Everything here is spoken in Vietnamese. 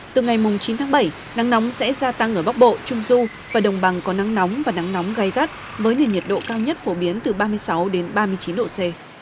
từ ngày chín tháng bảy nắng nóng sẽ gia tăng ở bắc bộ trung du và đồng bằng có nắng nóng và nắng nóng gai gắt với nền nhiệt độ cao nhất phổ biến từ ba mươi sáu đến ba mươi chín độ c